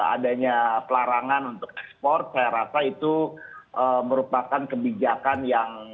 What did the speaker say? adanya pelarangan untuk ekspor saya rasa itu merupakan kebijakan yang